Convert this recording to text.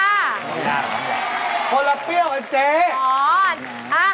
ไม่ได้คนละเปรี้ยวคนละเปรี้ยวอ่ะเจ๊